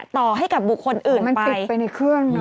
ต่อให้กับบุคคลอื่นมันติดไปในเครื่อง